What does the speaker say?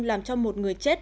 làm cho một người chết